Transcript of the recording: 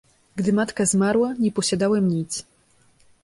— Gdy matka zmarła, nie posiadałem nic.